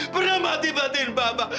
pernah mati matiin bapak